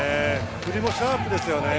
振りもシャープですよね。